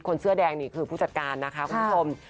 เสื้อแดงนี่คือผู้จัดการนะคะคุณผู้ชม